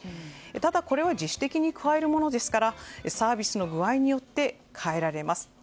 ただ、これは自主的に加えるものですからサービスの具合によって変えられます。